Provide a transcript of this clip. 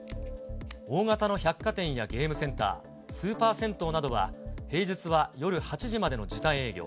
大型の百貨店やゲームセンター、スーパー銭湯などは、平日は夜８時までの時短営業。